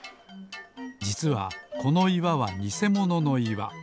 じつはこのいわはにせもののいわ。